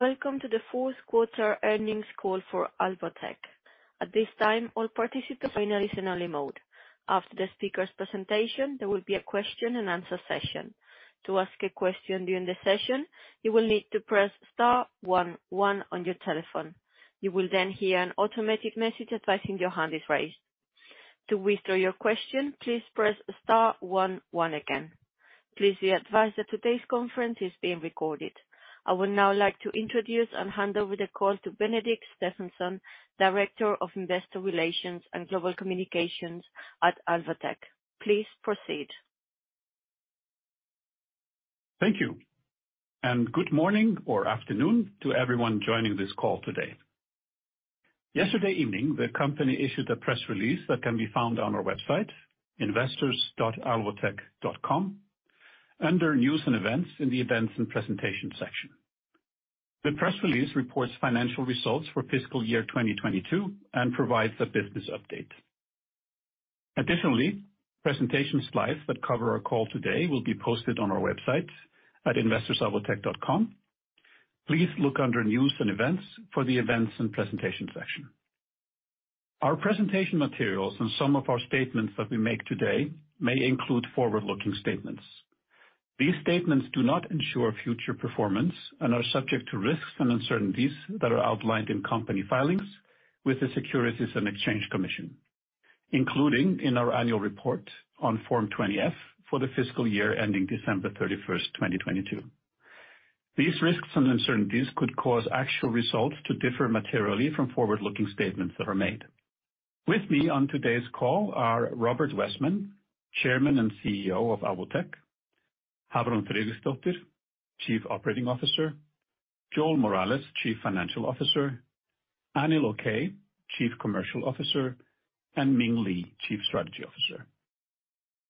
Welcome to the fourth quarter earnings call for Alvotech. At this time, all participants are in listen-only mode. After the speaker's presentation, there will be a question and answer session. To ask a question during the session, you will need to press star one one on your telephone. You will then hear an automatic message advising your hand is raised. To withdraw your question, please press star one one again. Please be advised that today's conference is being recorded. I would now like to introduce and hand over the call to Benedikt Stefansson, Director of Investor Relations and Global Communications at Alvotech. Please proceed. Thank you. Good morning or afternoon to everyone joining this call today. Yesterday evening, the company issued a press release that can be found on our website, investors.alvotech.com, under News and Events in the Events and Presentation section. The press release reports financial results for fiscal year 2022 and provides a business update. Additionally, presentation slides that cover our call today will be posted on our website at investors.alvotech.com. Please look under News and Events for the Events and Presentation section. Our presentation materials and some of our statements that we make today may include forward-looking statements. These statements do not ensure future performance and are subject to risks and uncertainties that are outlined in company filings with the Securities and Exchange Commission, including in our annual report on Form 20-F for the fiscal year ending December 31st, 2022. These risks and uncertainties could cause actual results to differ materially from forward-looking statements that are made. With me on today's call are Róbert Wessman, Chairman and CEO of Alvotech, Hafrun Fridriksdottir, Chief Operating Officer, Joel Morales, Chief Financial Officer, Anil Okay, Chief Commercial Officer, and Ming Li, Chief Strategy Officer.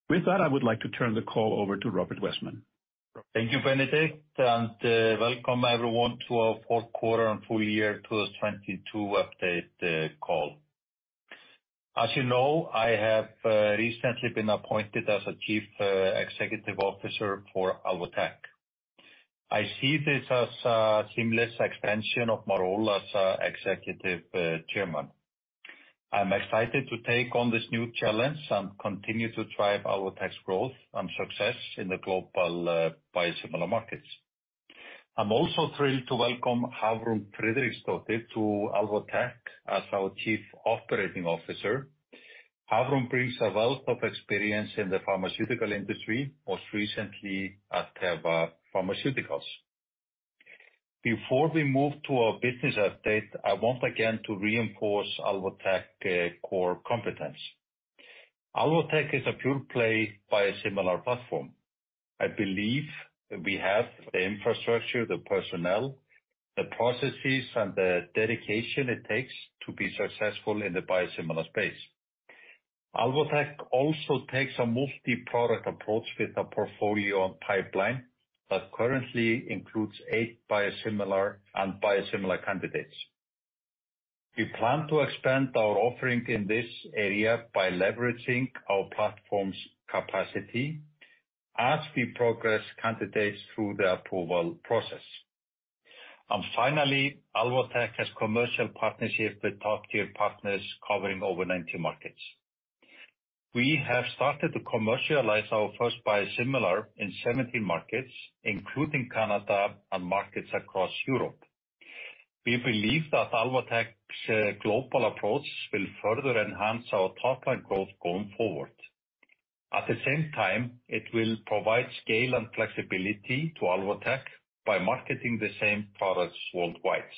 With that, I would like to turn the call over to Róbert Wessman. Thank you, Benedikt, welcome everyone to our fourth quarter and full year 2022 update call. As you know, I have recently been appointed as a Chief Executive Officer for Alvotech. I see this as a seamless expansion of my role as executive chairman. I'm excited to take on this new challenge and continue to drive Alvotech's growth and success in the global biosimilar markets. I'm also thrilled to welcome Hafrun Fridriksdottir to Alvotech as our Chief Operating Officer. Hafrun brings a wealth of experience in the pharmaceutical industry, most recently at Teva Pharmaceuticals. Before we move to our business update, I want again to reinforce Alvotech core competence. Alvotech is a pure-play biosimilar platform. I believe we have the infrastructure, the personnel, the processes, and the dedication it takes to be successful in the biosimilar space. Alvotech also takes a multi-product approach with a portfolio on pipeline that currently includes eight biosimilar and biosimilar candidates. We plan to expand our offering in this area by leveraging our platform's capacity as we progress candidates through the approval process. Finally, Alvotech has commercial partnerships with top-tier partners covering over 90 markets. We have started to commercialize our first biosimilar in 17 markets, including Canada and markets across Europe. We believe that Alvotech's global approach will further enhance our top-line growth going forward. At the same time, it will provide scale and flexibility to Alvotech by marketing the same products worldwide.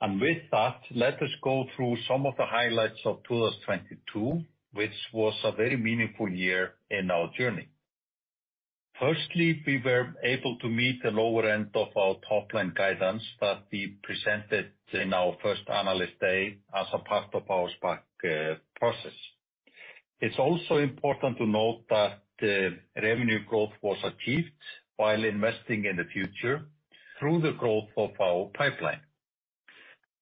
With that, let us go through some of the highlights of 2022, which was a very meaningful year in our journey. Firstly, we were able to meet the lower end of our top-line guidance that we presented in our first analyst day as a part of our SPAC process. It's also important to note that the revenue growth was achieved while investing in the future through the growth of our pipeline.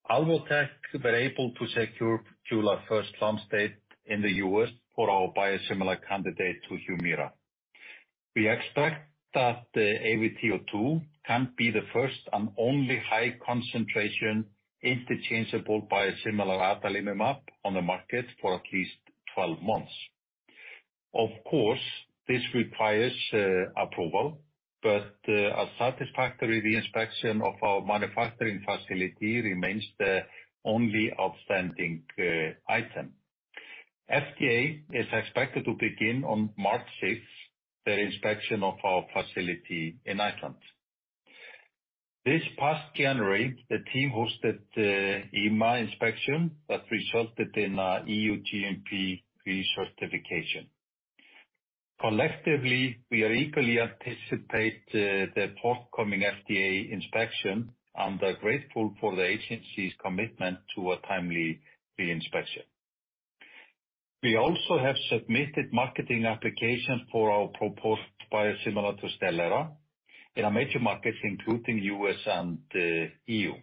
Alvotech were able to secure July 1st launch date in the US for our biosimilar candidate to Humira. We expect that the AVT02 can be the first and only high concentration interchangeable biosimilar adalimumab on the market for at least 12 months. Of course, this requires approval, but a satisfactory re-inspection of our manufacturing facility remains the only outstanding item. FDA is expected to begin on March 6th, the inspection of our facility in Iceland. This past January, the team hosted EMA inspection that resulted in EU GMP recertification. Collectively, we are equally anticipate the forthcoming FDA inspection and are grateful for the agency's commitment to a timely re-inspection. We also have submitted marketing applications for our proposed biosimilar to Stelara in our major markets, including U.S. and EU.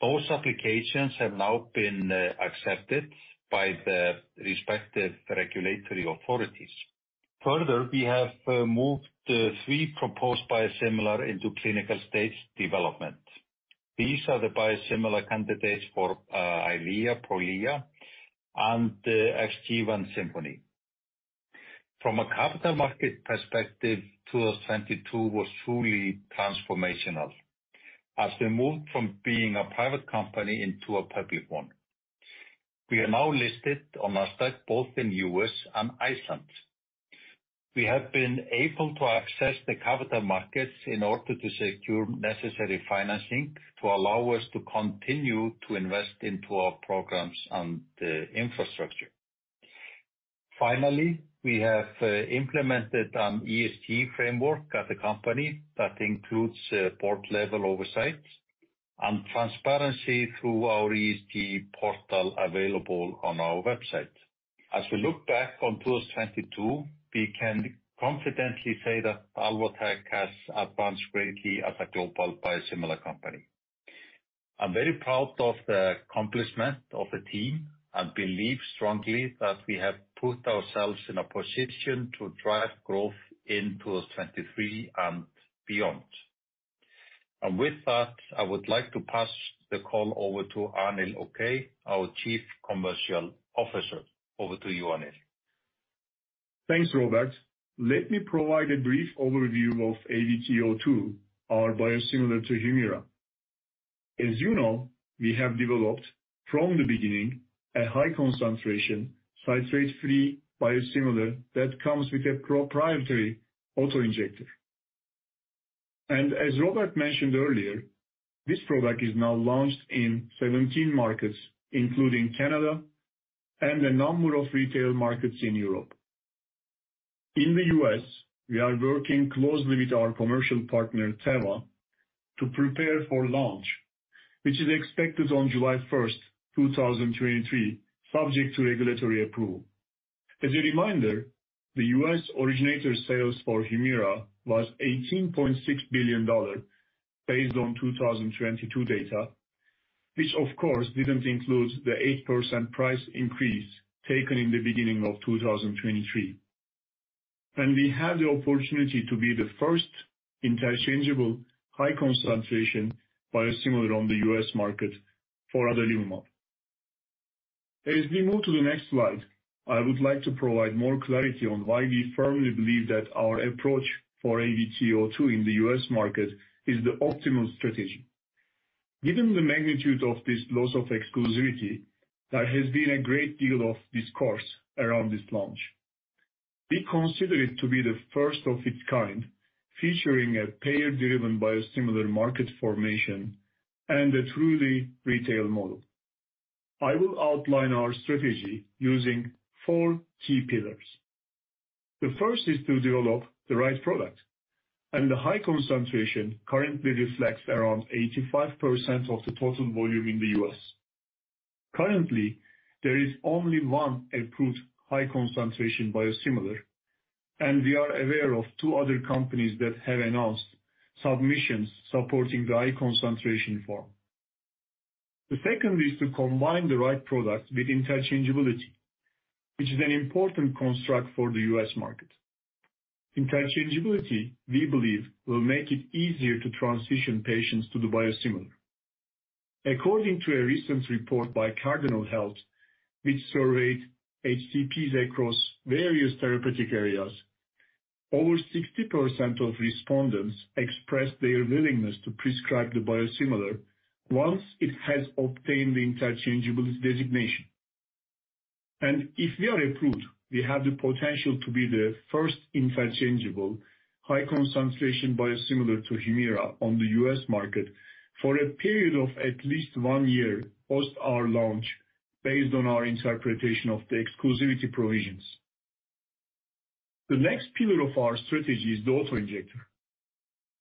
Those applications have now been accepted by the respective regulatory authorities. We have moved three proposed biosimilar into clinical stage development. These are the biosimilar candidates for EYLEA, PROLIA, and XGEVA and SIMPONI. From a capital market perspective, 2022 was truly transformational as we moved from being a private company into a public one. We are now listed on Nasdaq, both in U.S. and Iceland. We have been able to access the capital markets in order to secure necessary financing to allow us to continue to invest into our programs and infrastructure. Finally, we have implemented an ESG framework at the company that includes board-level oversight and transparency through our ESG portal available on our website. As we look back on 2022, we can confidently say that Alvotech has advanced greatly as a global biosimilar company. I'm very proud of the accomplishment of the team, and believe strongly that we have put ourselves in a position to drive growth in 2023 and beyond. With that, I would like to pass the call over to Anil Okay, our Chief Commercial Officer. Over to you, Anil. Thanks, Róbert. Let me provide a brief overview of AVT02, our biosimilar to Humira. As you know, we have developed, from the beginning, a high concentration, citrate-free biosimilar that comes with a proprietary auto-injector. As Róbert mentioned earlier, this product is now launched in 17 markets, including Canada and a number of retail markets in Europe. In the U.S., we are working closely with our commercial partner, Teva, to prepare for launch, which is expected on July 1st, 2023, subject to regulatory approval. As a reminder, the U.S. originator sales for Humira was $18.6 billion based on 2022 data, which of course, didn't include the 8% price increase taken in the beginning of 2023. We have the opportunity to be the first interchangeable high concentration biosimilar on the U.S. market for adalimumab. As we move to the next slide, I would like to provide more clarity on why we firmly believe that our approach for AVT02 in the U.S. market is the optimal strategy. Given the magnitude of this loss of exclusivity, there has been a great deal of discourse around this launch. We consider it to be the first of its kind, featuring a payer-driven biosimilar market formation and a truly retail model. I will outline our strategy using four key pillars. The first is to develop the right product. The high concentration currently reflects around 85% of the total volume in the U.S. Currently, there is only one approved high concentration biosimilar. We are aware of two other companies that have announced submissions supporting the high concentration form. The second is to combine the right product with interchangeability, which is an important construct for the U.S. market. Interchangeability, we believe, will make it easier to transition patients to the biosimilar. According to a recent report by Cardinal Health, which surveyed HCPs across various therapeutic areas, over 60% of respondents expressed their willingness to prescribe the biosimilar once it has obtained the interchangeables designation. If we are approved, we have the potential to be the first interchangeable high concentration biosimilar to Humira on the U.S. market for a period of at least one year post our launch based on our interpretation of the exclusivity provisions. The next pillar of our strategy is the auto-injector.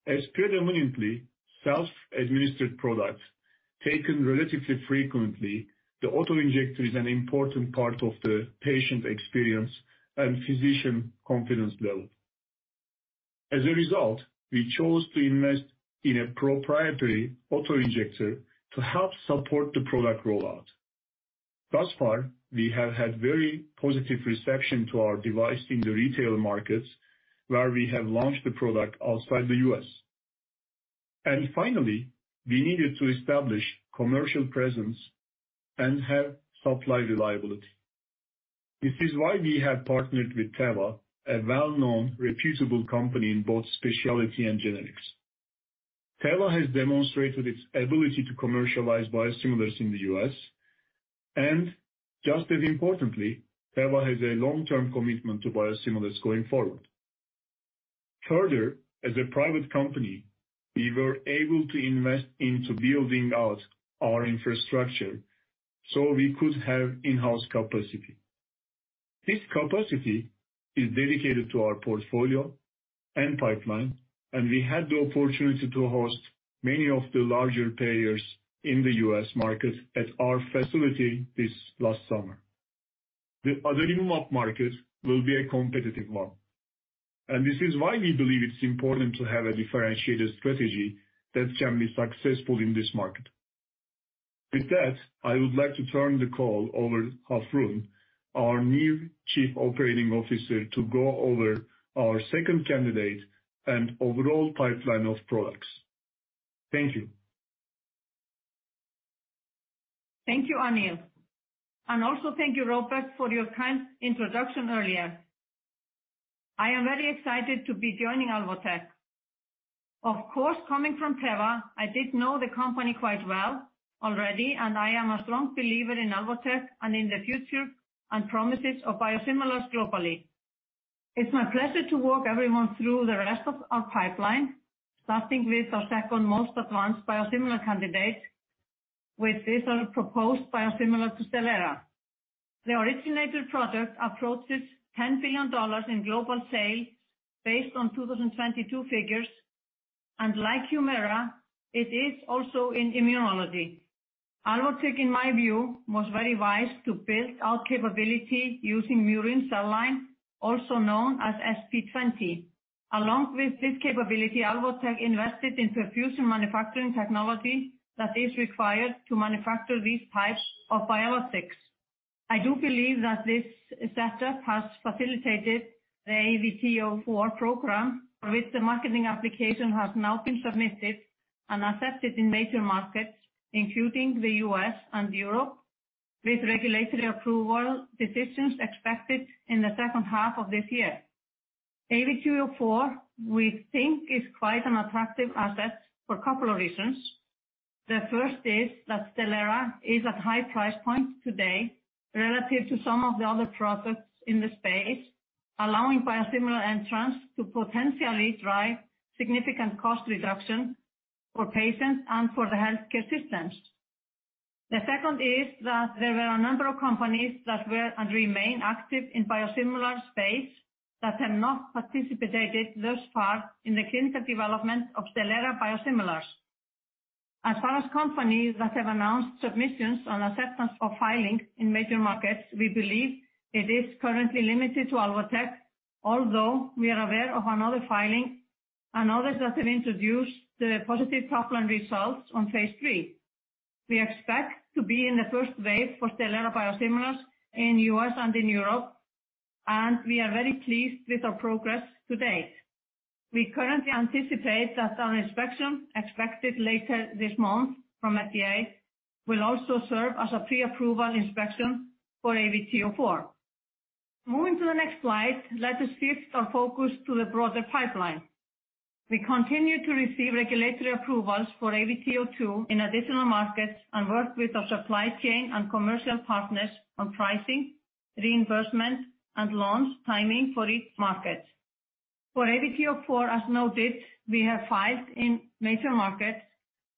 As predominantly self-administered products taken relatively frequently, the auto-injector is an important part of the patient experience and physician confidence level. As a result, we chose to invest in a proprietary auto-injector to help support the product rollout. Thus far, we have had very positive reception to our device in the retail markets, where we have launched the product outside the U.S. Finally, we needed to establish commercial presence and have supply reliability. This is why we have partnered with Teva, a well-known reputable company in both specialty and generics. Teva has demonstrated its ability to commercialize biosimilars in the U.S., and just as importantly, Teva has a long-term commitment to biosimilars going forward. Further, as a private company, we were able to invest into building out our infrastructure so we could have in-house capacity. This capacity is dedicated to our portfolio and pipeline, we had the opportunity to host many of the larger payers in the U.S. market at our facility this last summer. The adalimumab market will be a competitive one, and this is why we believe it's important to have a differentiated strategy that can be successful in this market. With that, I would like to turn the call over to Hafrun, our new Chief Operating Officer, to go over our second candidate and overall pipeline of products. Thank you. Thank you, Anil, and also thank you, Róbert, for your kind introduction earlier. I am very excited to be joining Alvotech. Of course, coming from Teva, I did know the company quite well already, and I am a strong believer in Alvotech and in the future and promises of biosimilars globally. It's my pleasure to walk everyone through the rest of our pipeline, starting with our second most advanced biosimilar candidate, with this, our proposed biosimilar to Stelara. The originator product approaches $10 billion in global sales based on 2022 figures, and like Humira, it is also in immunology. Alvotech, in my view, was very wise to build our capability using murine cell line, also known as Sp2/0. Along with this capability, Alvotech invested in perfusion manufacturing technology that is required to manufacture these types of biologics. I do believe that this setup has facilitated the AVT04 program, for which the marketing application has now been submitted and accepted in major markets, including the U.S. and Europe, with regulatory approval decisions expected in the second half of this year. AVT04, we think, is quite an attractive asset for a couple of reasons. The first is that Stelara is at high price point today relative to some of the other products in the space, allowing biosimilar entrants to potentially drive significant cost reduction for patients and for the healthcare systems. The second is that there were a number of companies that were and remain active in biosimilar space that have not participated thus far in the clinical development of Stelara biosimilars. As far as companies that have announced submissions and acceptance of filing in major markets, we believe it is currently limited to Alvotech, although we are aware of another filing and others that have introduced the positive top-line results on phase III. We expect to be in the first wave for Stelara biosimilars in U.S. and in Europe. We are very pleased with our progress to date. We currently anticipate that our inspection, expected later this month from FDA, will also serve as a pre-approval inspection for AVT04. Moving to the next slide, let us shift our focus to the broader pipeline. We continue to receive regulatory approvals for AVT02 in additional markets and work with our supply chain and commercial partners on pricing, reimbursement, and launch timing for each market. For AVT04, as noted, we have filed in major markets,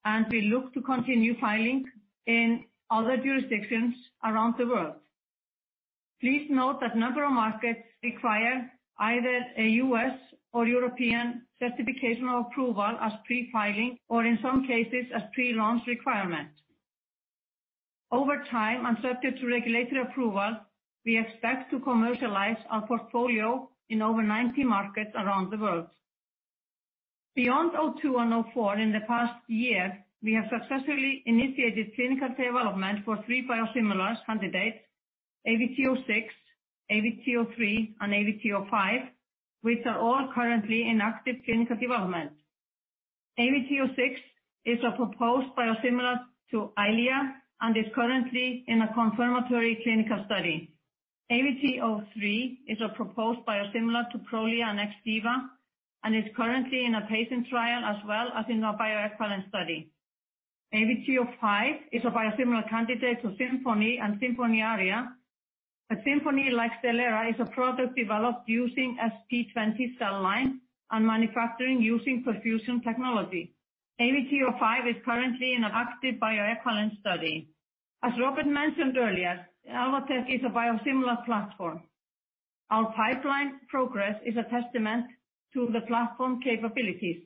and we look to continue filing in other jurisdictions around the world. Please note that a number of markets require either a US or European certification or approval as pre-filing, or in some cases, as pre-launch requirement. Over time and subject to regulatory approval, we expect to commercialize our portfolio in over 90 markets around the world. Beyond AVT02 and AVT04, in the past year, we have successfully initiated clinical development for three biosimilars candidates, AVT06, AVT03, and AVT05, which are all currently in active clinical development. AVT06 is a proposed biosimilar to EYLEA and is currently in a confirmatory clinical study. AVT03 is a proposed biosimilar to PROLIA and XGEVA and is currently in a pacing trial as well as in a bioequivalence study. AVT05 is a biosimilar candidate to SIMPONI and SIMPONI ARIA. A SIMPONI like Stelara is a product developed using Sp2/0 cell line and manufacturing using perfusion technology. AVT05 is currently in an active bioequivalence study. As Róbert mentioned earlier, Alvotech is a biosimilar platform. Our pipeline progress is a testament to the platform capabilities.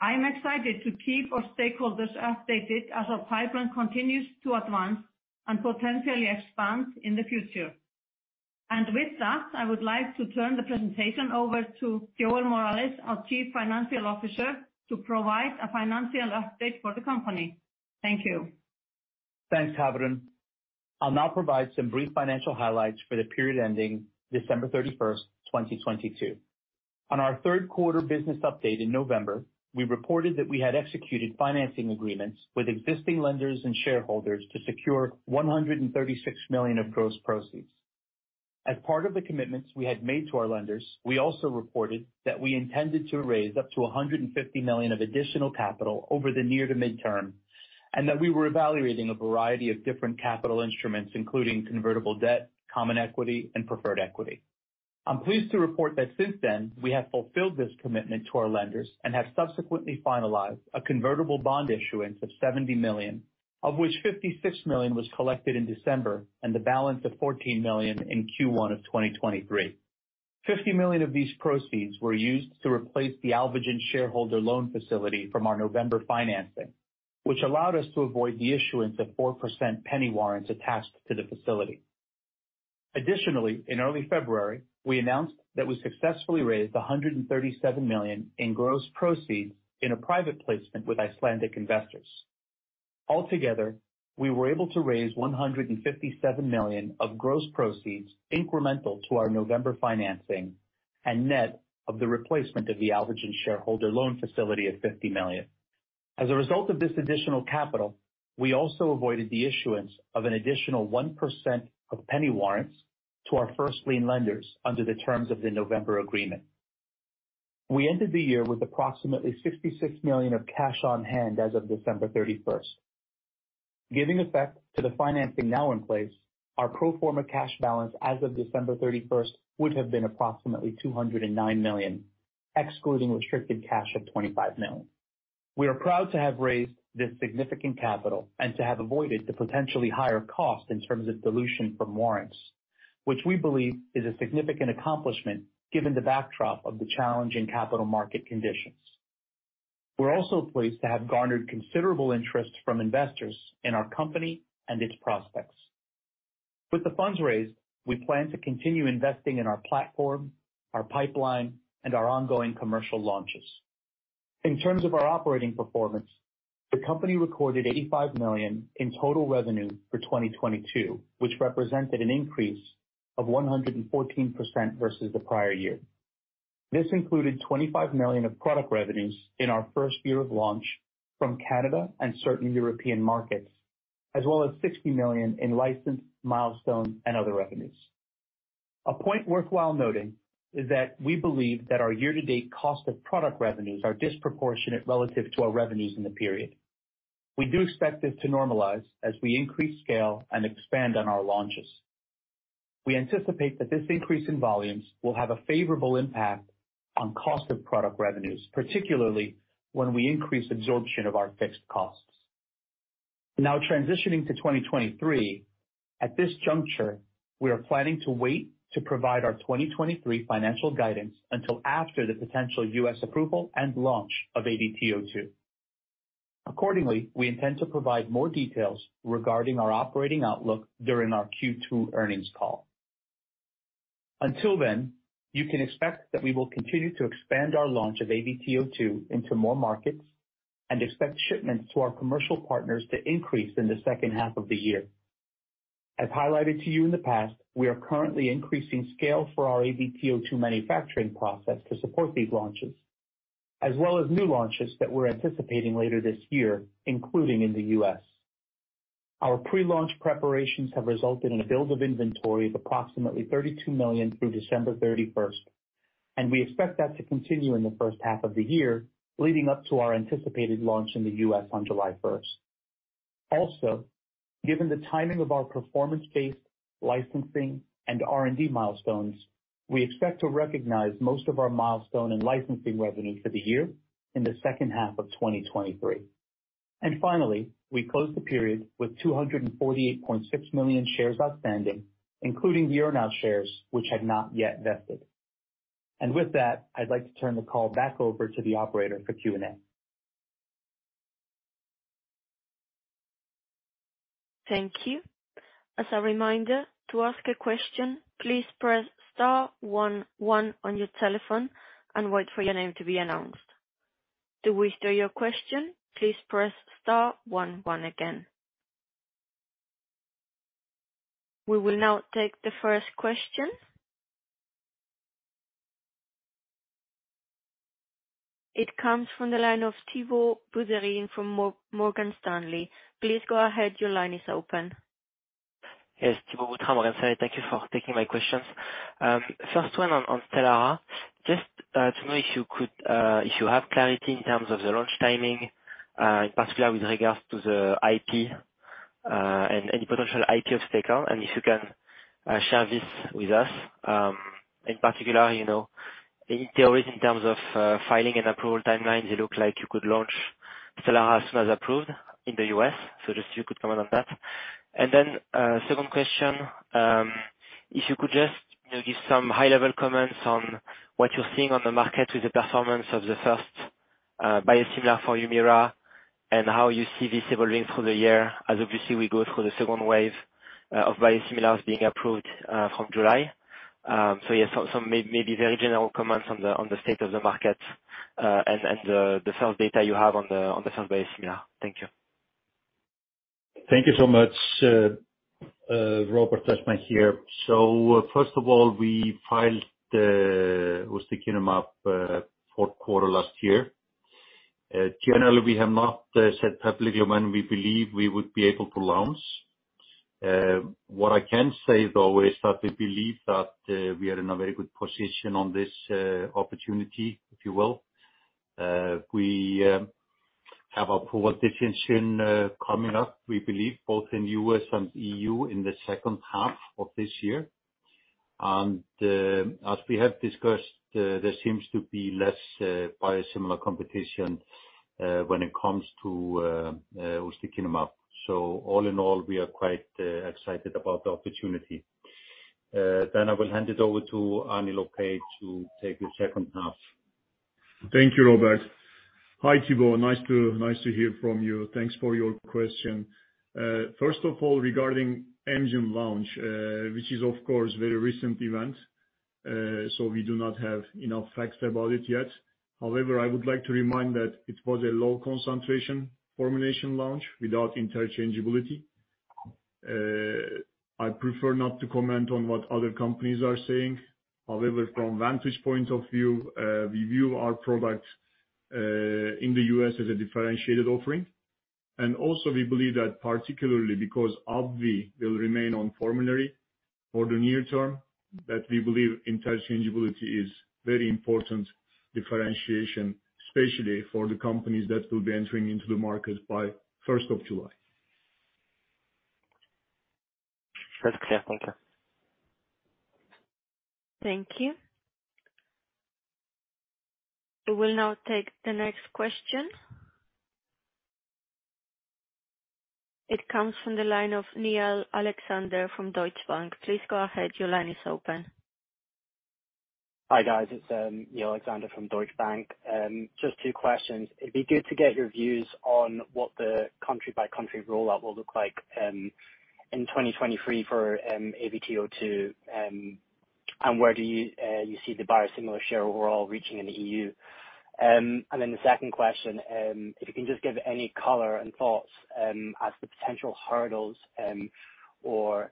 I am excited to keep our stakeholders updated as our pipeline continues to advance and potentially expand in the future. With that, I would like to turn the presentation over to Joel Morales, our Chief Financial Officer, to provide a financial update for the company. Thank you. Thanks, Hafrun. I'll now provide some brief financial highlights for the period ending December 31st, 2022. On our third quarter business update in November, we reported that we had executed financing agreements with existing lenders and shareholders to secure $136 million of gross proceeds. As part of the commitments we had made to our lenders, we also reported that we intended to raise up to $150 million of additional capital over the near to midterm, and that we were evaluating a variety of different capital instruments, including convertible debt, common equity, and preferred equity. I'm pleased to report that since then, we have fulfilled this commitment to our lenders and have subsequently finalized a convertible bond issuance of $70 million, of which $56 million was collected in December and the balance of $14 million in Q1 of 2023. $50 million of these proceeds were used to replace the Alvogen shareholder loan facility from our November financing, which allowed us to avoid the issuance of 4% penny warrants attached to the facility. In early February, we announced that we successfully raised $137 million in gross proceeds in a private placement with Icelandic investors. Altogether, we were able to raise $157 million of gross proceeds incremental to our November financing and net of the replacement of the Alvogen shareholder loan facility of $50 million. As a result of this additional capital, we also avoided the issuance of an additional 1% of penny warrants to our first lien lenders under the terms of the November agreement. We ended the year with approximately $66 million of cash on hand as of December 31st. Giving effect to the financing now in place, our pro forma cash balance as of December 31st would have been approximately $209 million, excluding restricted cash of $25 million. We are proud to have raised this significant capital and to have avoided the potentially higher cost in terms of dilution from warrants, which we believe is a significant accomplishment given the backdrop of the challenging capital market conditions. We're also pleased to have garnered considerable interest from investors in our company and its prospects. With the funds raised, we plan to continue investing in our platform, our pipeline, and our ongoing commercial launches. In terms of our operating performance, the company recorded $85 million in total revenue for 2022, which represented an increase of 114% versus the prior year. This included $25 million of product revenues in our first year of launch from Canada and certain European markets, as well as $60 million in license, milestone, and other revenues. A point worthwhile noting is that we believe that our year-to-date cost of product revenues are disproportionate relative to our revenues in the period. We do expect this to normalize as we increase scale and expand on our launches. We anticipate that this increase in volumes will have a favorable impact on cost of product revenues, particularly when we increase absorption of our fixed costs. Transitioning to 2023. At this juncture, we are planning to wait to provide our 2023 financial guidance until after the potential U.S. approval and launch of AVT02. Accordingly, we intend to provide more details regarding our operating outlook during our Q2 earnings call. Until then, you can expect that we will continue to expand our launch of AVT02 into more markets and expect shipments to our commercial partners to increase in the second half of the year. As highlighted to you in the past, we are currently increasing scale for our AVT02 manufacturing process to support these launches, as well as new launches that we're anticipating later this year, including in the U.S. Our pre-launch preparations have resulted in a build of inventory of approximately $32 million through December 31st, and we expect that to continue in the first half of the year, leading up to our anticipated launch in the U.S. on July 1st. Given the timing of our performance-based licensing and R&D milestones, we expect to recognize most of our milestone and licensing revenue for the year in the second half of 2023. We closed the period with 248.6 million shares outstanding, including the earnout shares, which had not yet vested. With that, I'd like to turn the call back over to the operator for Q&A. Thank you. As a reminder, to ask a question, please press star one one on your telephone and wait for your name to be announced. To withdraw your question, please press star one one again. We will now take the first question. It comes from the line of Thibault Boutherin from Morgan Stanley. Please go ahead. Your line is open. Yes. Thibault with Morgan Stanley. Thank you for taking my questions. First one on Stelara. Just to know if you could if you have clarity in terms of the launch timing, in particular with regards to the IP, and any potential IP at stake, and if you can share this with us. In particular, you know, any theories in terms of filing and approval timelines, it looks like you could launch Stelara as soon as approved in the U.S., so just if you could comment on that. Then, second question, if you could just, you know, give some high-level comments on what you're seeing on the market with the performance of the first biosimilar for Humira and how you see this evolving through the year as obviously we go through the second wave of biosimilars being approved from July. Yes, maybe very general comments on the state of the market, and the sales data you have on the sales biosimilar. Thank you. Thank you so much. Róbert Wessman here. First of all, we filed ustekinumab, fourth quarter last year. Generally, we have not said publicly when we believe we would be able to launch. What I can say, though, is that we believe that we are in a very good position on this opportunity, if you will. We have a approval decision coming up, we believe both in U.S. and EU in the second half of this year. As we have discussed, there seems to be less biosimilar competition when it comes to ustekinumab. All in all, we are quite excited about the opportunity. I will hand it over to Anil Okay to take the second half. Thank you, Róbert. Hi, Thibault. Nice to hear from you. Thanks for your question. First of all, regarding Amgen launch, which is of course very recent event, so we do not have enough facts about it yet. However, I would like to remind that it was a low concentration formulation launch without interchangeability. I prefer not to comment on what other companies are saying. However, from vantage point of view, we view our product in the U.S. as a differentiated offering. Also we believe that particularly because AbbVie will remain on formulary for the near term, that we believe interchangeability is very important differentiation, especially for the companies that will be entering into the market by 1st of July. That's clear. Thank you. Thank you. We will now take the next question. It comes from the line of Niall Alexander from Deutsche Bank. Please go ahead. Your line is open. Hi, guys. It's Niall Alexander from Deutsche Bank. Just two questions. It'd be good to get your views on what the country by country rollout will look like in 2023 for AVT02. Where do you see the biosimilar share overall reaching in the EU? The second question, if you can just give any color and thoughts as the potential hurdles or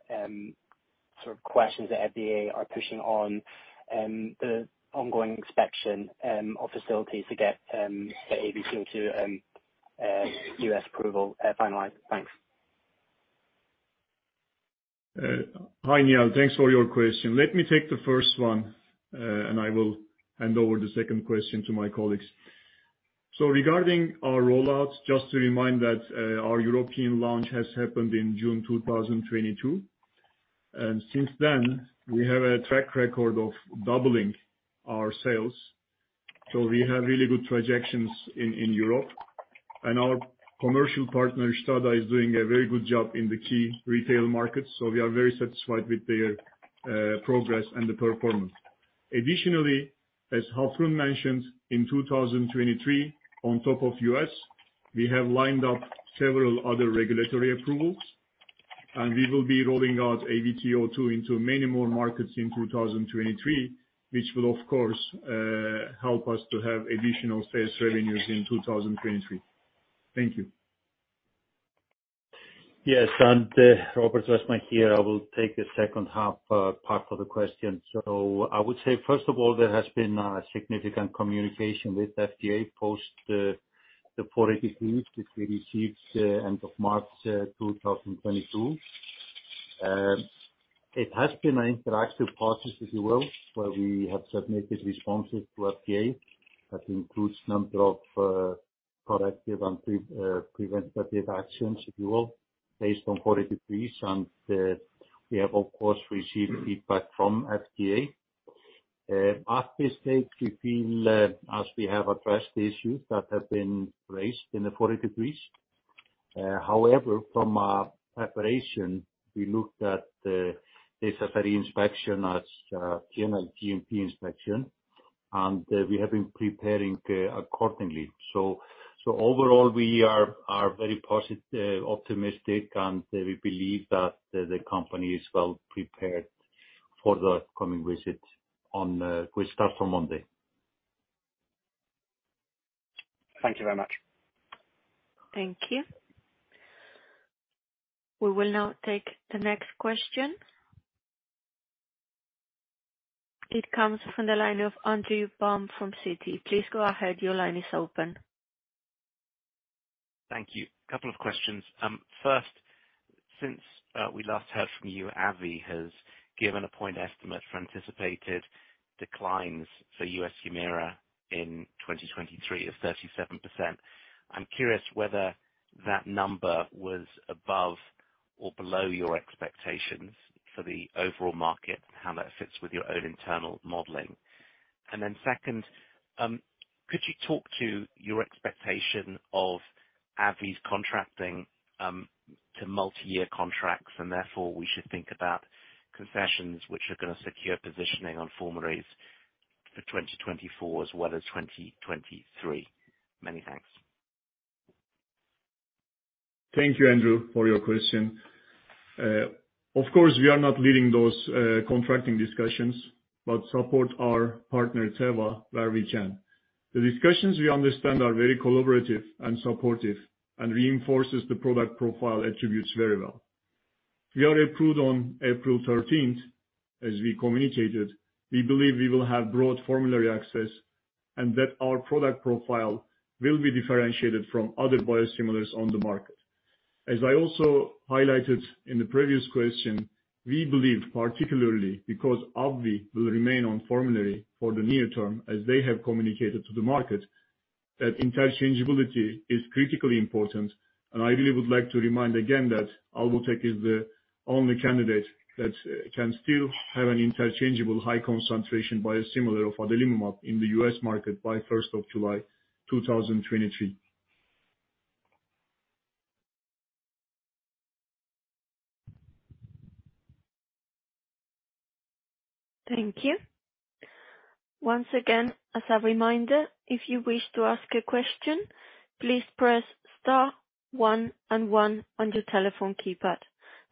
sort of questions that FDA are pushing on the ongoing inspection of facilities to get the AVT02 U.S. approval finalized. Thanks. Hi, Niall. Thanks for your question. Let me take the first one, and I will hand over the second question to my colleagues. Regarding our rollouts, just to remind that our European launch has happened in June 2022. Since then, we have a track record of doubling our sales. We have really good trajectories in Europe. Our commercial partner, STADA, is doing a very good job in the key retail market. We are very satisfied with their progress and the performance. Additionally, as Hafrun mentioned, in 2023, on top of U.S., we have lined up several other regulatory approvals, and we will be rolling out AVT02 into many more markets in 2023, which will of course, help us to have additional sales revenues in 2023. Thank you. Róbert Wessman here. I will take the second half part of the question. There has been a significant communication with FDA post the Form 483 which we received end of March, 2022. It has been an interactive process, if you will, where we have submitted responses to FDA. That includes number of corrective and preventative actions, if you will, based on Form 483. We have of course received feedback from FDA. At this stage, we feel as we have addressed the issues that have been raised in the Form 483. From a preparation, we looked at this as an inspection as general GMP inspection, and we have been preparing accordingly. Overall, we are very optimistic and we believe that the company is well prepared for the coming visit on which starts on Monday. Thank you very much. Thank you. We will now take the next question. It comes from the line of Andrew Baum from Citi. Please go ahead. Your line is open. Thank you. Couple of questions. First, since we last heard from you, AbbVie has given a point estimate for anticipated declines for U.S. Humira in 2023 of 37%. I'm curious whether that number was above or below your expectations for the overall market, how that fits with your own internal modeling. Second, could you talk to your expectation of AbbVie's contracting to multi-year contracts, and therefore we should think about concessions which are gonna secure positioning on formularies for 2024 as well as 2023? Many thanks. Thank you, Andrew, for your question. Of course we are not leading those contracting discussions, but support our partner, Teva, where we can. The discussions we understand are very collaborative and supportive and reinforces the product profile attributes very well. We are approved on April 13th, as we communicated. We believe we will have broad formulary access and that our product profile will be differentiated from other biosimilars on the market. As I also highlighted in the previous question, we believe particularly because AbbVie will remain on formulary for the near term as they have communicated to the market, that interchangeability is critically important. I really would like to remind again that Alvotech is the only candidate that can still have an interchangeable high concentration biosimilar of adalimumab in the U.S. market by 1st of July, 2023. Thank you. Once again, as a reminder, if you wish to ask a question, please press star one and one on your telephone keypad.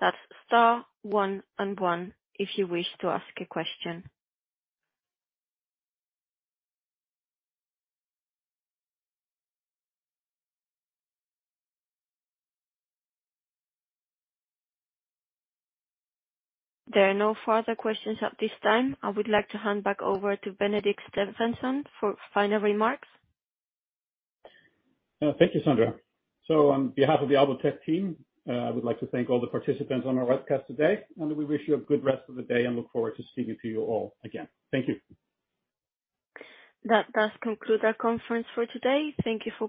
That's star one and one if you wish to ask a question. There are no further questions at this time. I would like to hand back over to Benedikt Stefansson for final remarks. Thank you, Sandra. On behalf of the Alvotech team, I would like to thank all the participants on our webcast today. We wish you a good rest of the day and look forward to speaking to you all again. Thank you. That does conclude our conference for today. Thank you for participating.